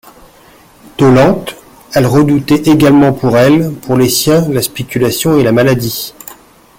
Dolente, elle redoutait également pour elle, pour les siens, la spéculation et la maladie.